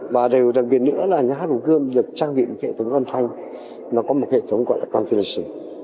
và đều đặc biệt nữa là nhà hát hồ gươm được trang bị một hệ thống âm thanh nó có một hệ thống gọi là continuation